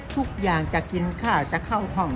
ทุกอย่างจะกินข้าวจะเข้าห้อง